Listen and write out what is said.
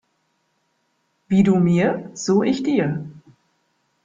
Wie du mir, so ich dir.